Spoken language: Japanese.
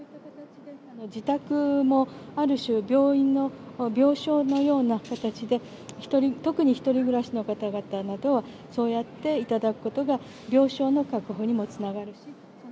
自宅もある種、病院の病床のような形で、特に１人暮らしの方々などは、そうやっていただくことが、病床の確保にもつながるし。